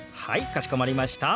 かしこまりました。